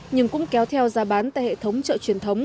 nhưng cũng kéo theo giá bán tại hệ thống chợ truyền thống